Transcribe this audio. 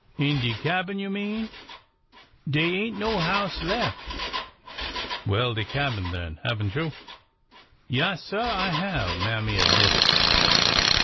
In de cabin, you mean ? Dey ain't no house lef Well, the cabin, then. Have n't you? "'' Yaassir, I have," Mammy admitted.